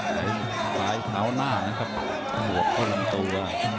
ท้าวหน้านะครับหัวเข้าลงตัว